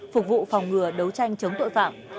phục vụ phòng ngừa đấu tranh chống tội phạm